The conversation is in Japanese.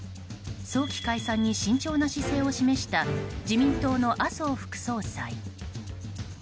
早期解散に慎重な姿勢を示した自民党の麻生副総裁。